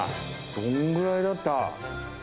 どのくらいだった？